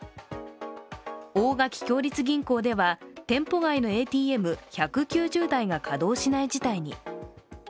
大垣共立銀行では店舗外のＡＴＭ１９０台が稼働しない事態に。